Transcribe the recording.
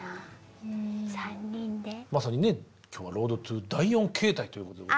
まさにね今日はロード・トゥ・第４形態ということで。